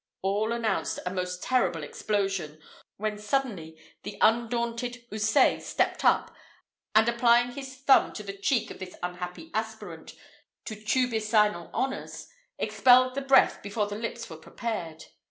All announced a most terrible explosion, when suddenly the undaunted Houssaye stepped up, and applying his thumb to the cheek of this unhappy aspirant to tubicinal honours, expelled the breath before the lips were prepared.